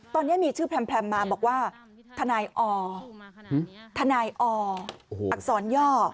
ตอนนี้มีชื่อแพร่มมาบอกว่าทนายอทนายออักษรย่อ